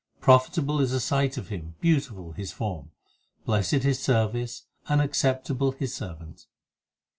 Profitable is a sight of him, beautiful his form, Blessed his service, and acceptable his servant.